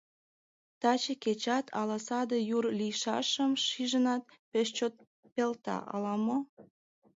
Таче кечат, ала саде йӱр лийшашым шижынат, пеш чот пелта, ала-мо?